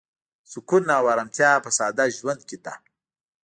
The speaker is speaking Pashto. سکون او ارامتیا په ساده ژوند کې ده.